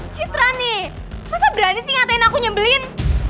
citra nih masa berani sih ngatain aku nyebelin